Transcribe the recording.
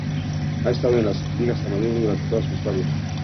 Ha estado en las ligas amateur durante toda su historia.